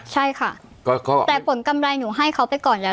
ใช่ค่ะแต่ผลกำไรหนูให้เขาไปก่อนแล้ว